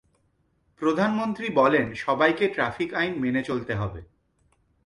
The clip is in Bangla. প্রধানমন্ত্রী বলেন, সবাইকে ট্রাফিক আইন মেনে চলতে হবে।